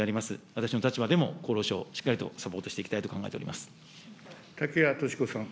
私の立場でも厚労省をしっかりとサポートしていきたいと考えてお竹谷とし子さん。